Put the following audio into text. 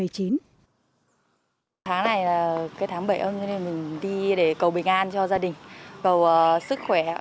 tháng này là tháng bảy âm lịch nên mình đi để cầu bình an cho gia đình cầu sức khỏe